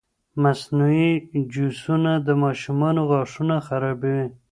مصنوعي جوسونه د ماشومانو غاښونه خرابوي.